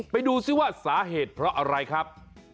ไปดูซิว่าสาเหตุเพราะอะไรครับ